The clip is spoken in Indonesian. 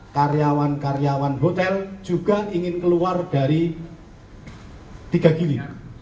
karyawan karyawan hotel juga ingin keluar dari tiga gili